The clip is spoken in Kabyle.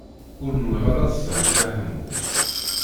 Ur nwiɣ ara ẓẓay Dda Ḥemmu.